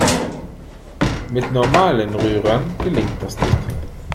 Mit normalen Rührern gelingt das nicht.